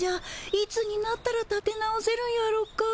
いつになったらたて直せるんやろか。